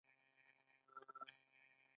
مجلس بې نتیجې پای ته ورسېد.